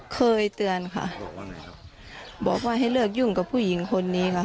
เคยเตือนค่ะบอกว่าให้เลิกยุ่งกับผู้หญิงคนนี้ค่ะ